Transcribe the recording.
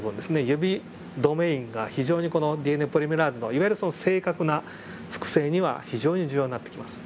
指ドメインが非常にこのＤＮＡポリメラーゼのいわゆる正確な複製には非常に重要になってきます。